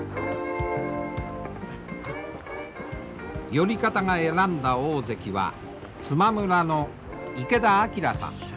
寄方が選んだ大関は都万村の池田晃さん。